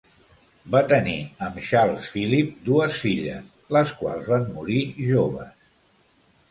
Va tenir amb Charles Philip dues filles, les quals van morir joves.